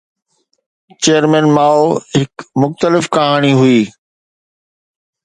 Chairman Mao هڪ مختلف ڪهاڻي هئي.